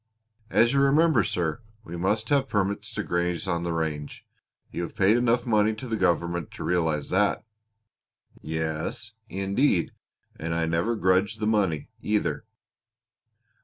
"As you remember, sir, we must have permits to graze on the range. You have paid enough money to the government to realize that." "Yes, indeed. And I never grudge the money, either."